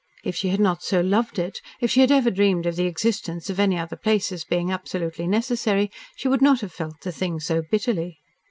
If she had not so loved it, if she had ever dreamed of the existence of any other place as being absolutely necessary, she would not have felt the thing so bitterly.